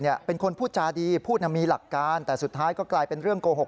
เป็นคนพูดจาดีพูดมีหลักการแต่สุดท้ายก็กลายเป็นเรื่องโกหก